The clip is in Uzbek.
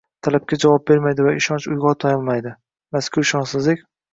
talabga javob bermaydi va ishonch uyg‘otmoydi. Mazkur ishonchsizlik